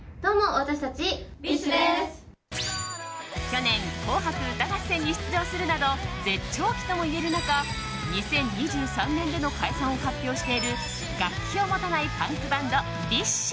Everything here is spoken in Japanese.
去年、「紅白歌合戦」に出場するなど絶頂期ともいえる中２０２３年での解散を発表している楽器を持たないパンクバンドＢｉＳＨ。